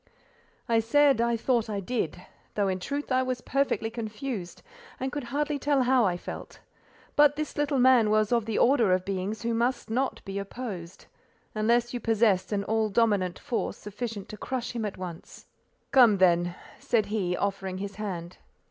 I said, I thought I did; though, in truth, I was perfectly confused, and could hardly tell how I felt: but this little man was of the order of beings who must not be opposed, unless you possessed an all dominant force sufficient to crush him at once. "Come then," said he, offering his hand.